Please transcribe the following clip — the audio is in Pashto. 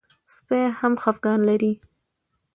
سپي هم خپګان لري.